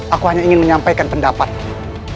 aku hanya ingin menyelamatkanmu